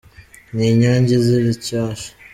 Ni inyange izira icyasha.